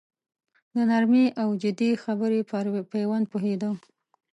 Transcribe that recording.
د نرمې او جدي خبرې پر پېوند پوهېده.